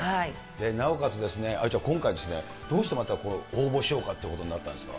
なおかつ、愛ちゃん、今回、どうしてまたこの応募しようかということになったんですか？